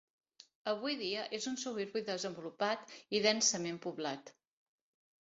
Avui dia és un suburbi desenvolupat i densament poblat.